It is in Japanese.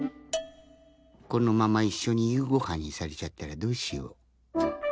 このままいっしょにゆうごはんにされちゃったらどうしよう。